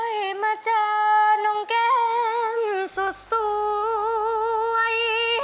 ให้มาเจอน้องแก้มสุดสวย